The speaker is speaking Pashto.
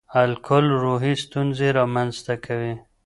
الکول روحي ستونزې رامنځ ته کوي.